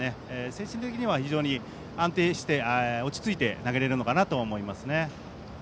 精神的には非常に安定して落ち着いて投げれるのかなと思いますね。